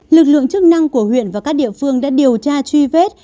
lực lượng chức năng của huyện và các địa phương đã điều tra truy vết